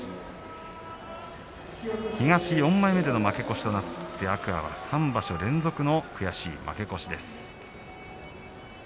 東４枚目での負け越しとなって天空海は、３場所連続の悔しい負け越しです。